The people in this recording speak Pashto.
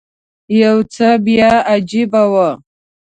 یو څه بیا عجیبه و.